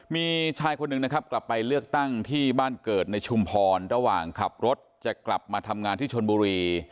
มีชายคนหนึ่งนะครับกลับไปเลือกตั้งที่บ้านเกิดในชุมพรระหว่างขับรถจะกลับมาทำงานที่ชนบุรี